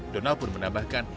donald pun menambahkan